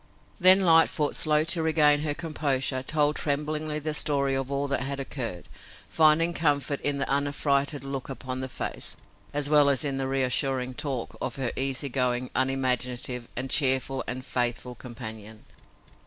Then Lightfoot, slow to regain her composure, told tremblingly the story of all that had occurred, finding comfort in the unaffrighted look upon the face, as well as in the reassuring talk, of her easy going, unimaginative and cheerful and faithful companion.